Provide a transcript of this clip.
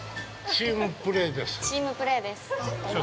◆チームプレーです。